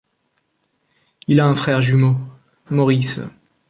Il a un frère jumeau, Maurice.